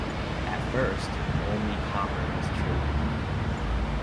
At first only copper was traded.